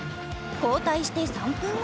交代して３分後。